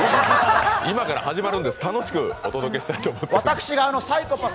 今から始まるんです、楽しくお届けしたいと思います。